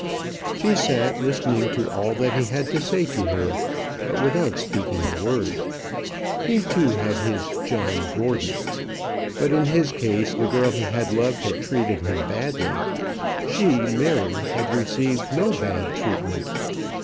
She sat listening to all that he had to say to her, but without speaking a word. He, too, had had his "John Gordon;" but in his case the girl he had loved had treated him badly. She, Mary, had received no bad treatment.